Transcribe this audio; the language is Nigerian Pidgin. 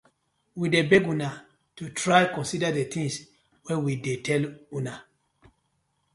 We dey beg una to try consider the tinz wey we dey tell una.